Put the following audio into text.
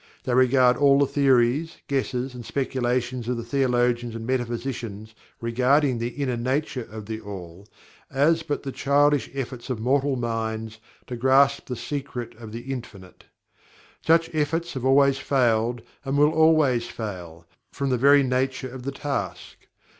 They regard all the theories, guesses and speculations of the theologians and metaphysicians regarding the inner nature of THE ALL, as but the childish efforts of mortal minds to grasp the secret of the Infinite. Such efforts have always failed and will always fail, from the very nature of the task.